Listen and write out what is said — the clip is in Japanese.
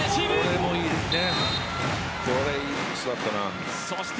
これも、いいですね。